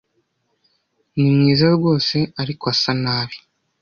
Ni mwiza rwose, ariko asa nabi.